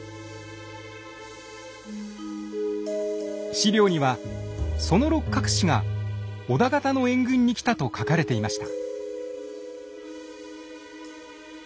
史料にはその六角氏が織田方の援軍に来たと書かれていました。